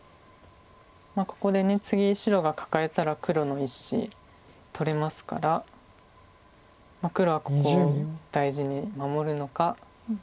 ここで次白がカカえたら黒の１子取れますから黒はここを大事に守るのか。